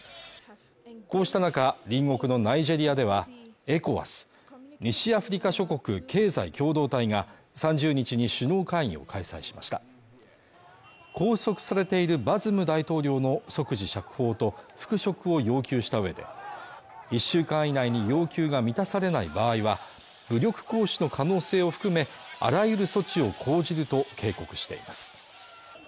こうした中隣国のナイジェリアではＥＣＯＷＡＳ＝西アフリカ諸国経済共同体が３０日に首脳会議を開催しました拘束されているバズム大統領の即時釈放と復職を要求した上で１週間以内に要求が満たされない場合は武力行使の可能性を含めあらゆる措置を講じると警告しています